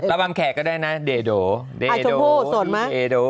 ปรังแขกก็ได้นะเด้ดโด